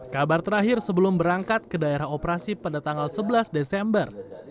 kabar terakhir sebelum berangkat ke daerah operasi pada tanggal sebelas desember